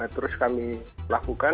terus kami lakukan